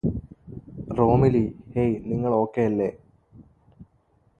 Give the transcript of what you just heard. റോമിലി hey നിങ്ങള് ഓകെയല്ലേ